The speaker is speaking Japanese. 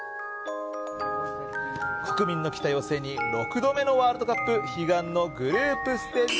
国民の期待を背に６度目のワールドカップ悲願のグループステージ